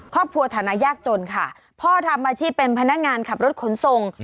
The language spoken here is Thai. ครอบครัวธนาแยกจนค่ะพ่อทำอาชีพเป็นพนักงานขับรถขนทรง